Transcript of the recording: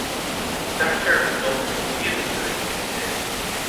The cemetery was built in the immediate vicinity of this stable.